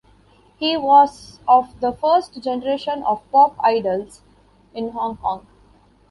He was of the first generation of pop idols in Hong Kong.